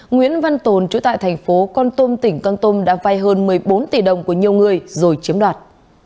nguyễn văn tồn chú tại thành phố con tôm tỉnh con tôm đã vai hơn một mươi bốn tỷ đồng của nhiều người rồi chiếm đoạt